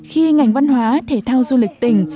khi ngành văn hóa thể thao du lịch tỉnh